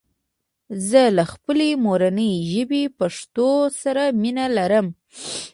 زه له خپلي مورني ژبي پښتو سره مينه لرم